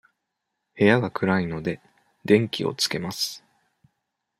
部屋が暗いので、電気をつけます。